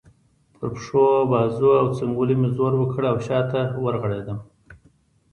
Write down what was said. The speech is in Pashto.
پر پښو، بازو او څنګلو مې زور وکړ او شا ته ورغړېدم.